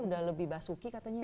udah lebih basuki katanya